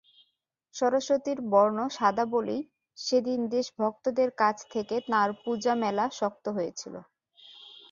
সরস্বতীর বর্ণ সাদা বলেই সেদিন দেশভক্তদের কাছ থেকে তাঁর পূজা মেলা শক্ত হয়েছিল।